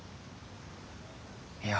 いや。